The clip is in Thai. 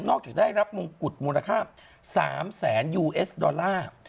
จากได้รับมงกุฎมูลค่า๓แสนยูเอสดอลลาร์